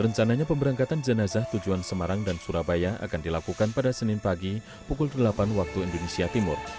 rencananya pemberangkatan jenazah tujuan semarang dan surabaya akan dilakukan pada senin pagi pukul delapan waktu indonesia timur